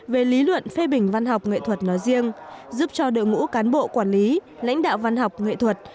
về lý luận phê bình văn học nghệ thuật nói riêng giúp cho đội ngũ cán bộ quản lý lãnh đạo văn học nghệ thuật